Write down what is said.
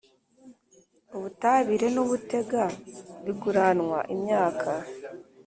ubutabire n ubutega biguranwa imyaka